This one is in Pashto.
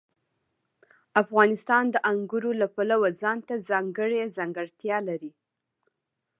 افغانستان د انګورو له پلوه ځانته ځانګړې ځانګړتیا لري.